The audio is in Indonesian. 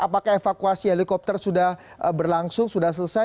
apakah evakuasi helikopter sudah berlangsung sudah selesai